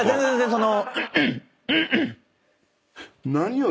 その。